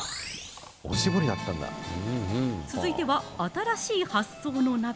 続いては新しい発想の鍋。